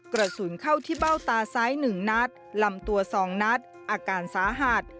กระสุนเข้าที่เบ้าตาซ้าย๑นัดลำตัว๒นัดอาการสาหัส